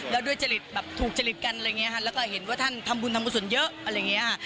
แล้วด้วยจริตแบบถูกจริตกันอะไรอย่างนี้ค่ะแล้วก็เห็นว่าท่านทำบุญทำกุศลเยอะอะไรอย่างนี้ค่ะ